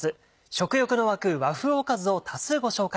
食欲の湧く和風おかずを多数ご紹介。